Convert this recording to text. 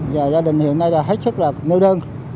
và gia đình hiện nay đã hết sức là nêu đơn